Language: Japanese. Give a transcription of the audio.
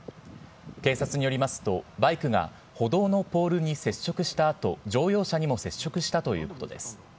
警察によりますと、バイクが歩道のポールに接触したあと、乗用車にも接触したということです。